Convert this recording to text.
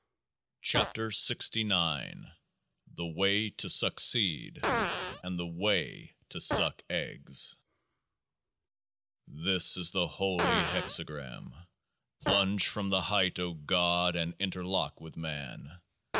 85 KE<J>AAH S0 THE WAY TO SUCCEED— AND THE WAY TO SUCK EGGS ! This is the Holy Hexagram. Plunge from the height, O God, and interlock with Man